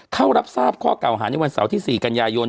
เข้ารับทราบข้อเก่าหาในวันเสาร์ที่๔กันยายน